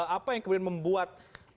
apa yang kemudian membuat